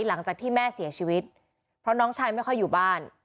หลังจากที่แม่เสียชีวิตเพราะน้องชายไม่ค่อยอยู่บ้าน